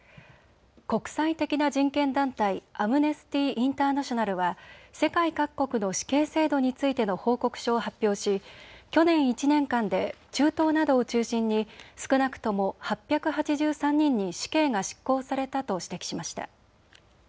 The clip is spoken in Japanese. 国際的な人権団体、アムネスティ・インターナショナルは世界各国の死刑制度についての報告書を発表し去年１年間で中東などを中心に少なくとも８８３人に死刑が執行されたと指摘しました。